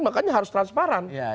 makanya harus transparan